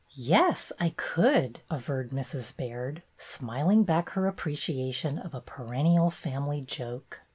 "Yes, I could," averred Mrs. Baird, smiling back her appreciation of a perennial family joke.